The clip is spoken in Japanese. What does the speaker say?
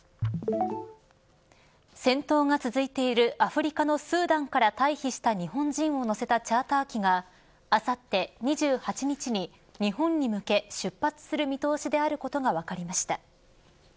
戦闘が続いているアフリカのスーダンから退避した日本人を乗せたチャーター機があさって２８日に日本に向け出発する見通しであることが分かりました。